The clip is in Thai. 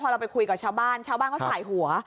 เราไปคุยกับชาวบ้านชาวบ้านเขาสายหัว